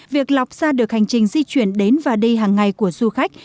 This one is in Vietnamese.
việc lọc ra được hành trình di chuyển đến và đi hàng ngày của du khách